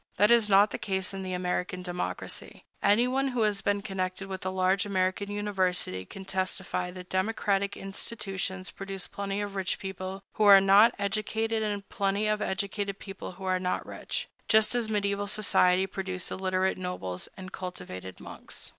That is not the case in the American democracy. Anyone who has been connected with a large American university can testify that democratic institutions produce plenty of rich people who are not educated and plenty of educated people who are not rich, just as mediæval society produced illiterate nobles and cultivated monks.